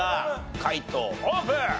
解答オープン！